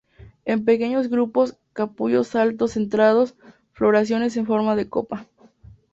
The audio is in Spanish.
En pequeños grupos, capullos altos centrados, floración en forma de copa.